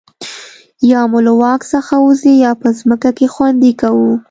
یا مو له واک څخه ووځي په ځمکه کې خوندي کوو.